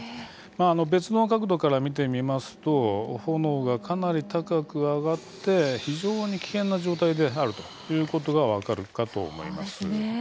別の角度から見てみますと炎が、かなり高く上がって非常に危険であるということが分かるかと思います。